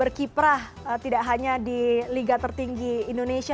berkiprah tidak hanya di liga tertinggi indonesia